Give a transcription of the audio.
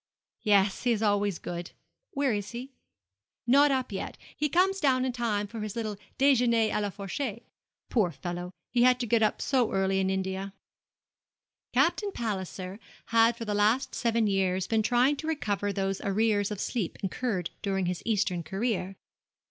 'Yes, he is always good. Where is he?' 'Not up yet. He comes down in time for his little déjeûner à la fourchette. Poor fellow, he had to get up so early in India.' Captain Palliser had for the last seven years been trying to recover those arrears of sleep incurred during his Eastern career.